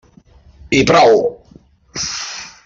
I prou!